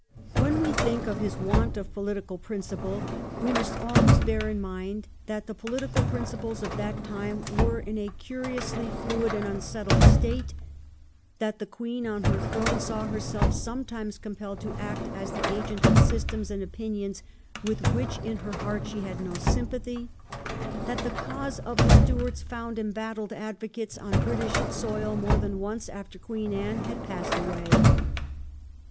When we think of his want of political principle we must always bear in mind that the political principles of that time were in a curiously fluid and unsettled state; that the Queen on her throne saw herself sometimes compelled to act as the agent of systems and opinions with which in her heart she had no sympathy ; that the cause of the Stuarts found embattled advocates on British soil more than once after Queen Anne had passed away.